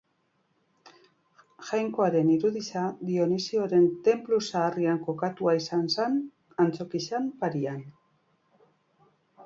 Jainkoaren irudia Dionisioren tenplu zaharrean kokatua izan zen, antzokiaren parean.